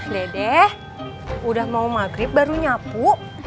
dede udah mau maghrib baru nyapu